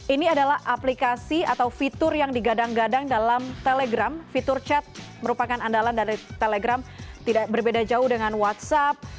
ini adalah aplikasi atau fitur yang digadang gadang dalam telegram fitur chat merupakan andalan dari telegram tidak berbeda jauh dengan whatsapp